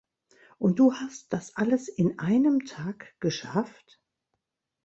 Und du hast das alles in einem Tag geschafft?